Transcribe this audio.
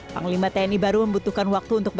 panglima tni baru membutuhkan penggantian panglima tni